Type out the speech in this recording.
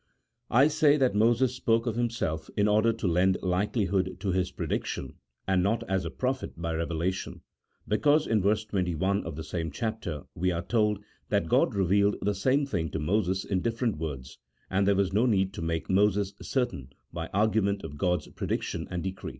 I say that Moses spoke of himself in order to lend likelihood to his prediction, and not as a prophet by revelation, because in verse 21 of the same chapter we are told that God revealed the same thing to Moses in different words, and there was no need to make Moses certain by argument of God's prediction and decree ; CHAP.